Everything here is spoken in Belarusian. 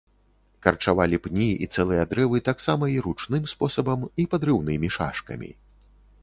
Карчавалі пні і цэлыя дрэвы таксама і ручным спосабам і падрыўнымі шашкамі.